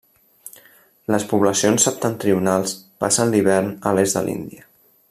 Les poblacions septentrionals passen l'hivern a l'est de l'Índia.